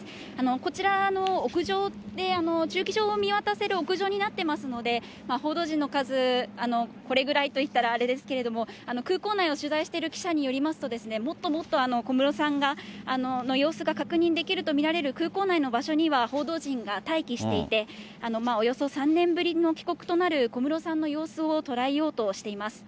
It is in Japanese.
こちらの屋上で、駐機場を見渡せる屋上になっていますので、報道陣の数、これぐらいと言ったらあれですけれども、空港内を取材している記者によりますと、もっともっと小室さんの様子が確認できると見られる空港内の場所には、報道陣が待機していて、およそ３年ぶりの帰国となる小室さんの様子を捉えようとしています。